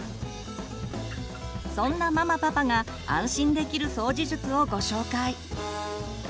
そんなママパパが安心できる掃除術をご紹介。